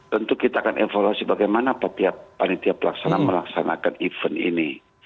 tentu kita akan evaluasi bagaimana panitia pelaksana melaksanakan event ini